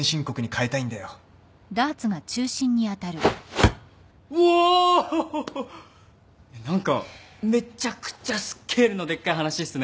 えっ何かめちゃくちゃスケールのでっかい話っすね。